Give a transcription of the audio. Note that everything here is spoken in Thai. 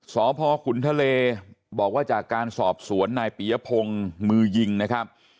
สพขุนทะเลบอกว่าจากการสอบสวนนายปียพงศ์มือยิงนะครับ